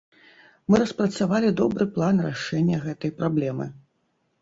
Мы распрацавалі добры план рашэння гэтай праблемы.